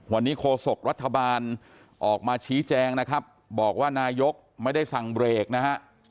วันนี้โคศกรัฐบาลออกมาชี้แจงนะครับบอกว่านายกไม่ได้สั่งเบรกนะฮะ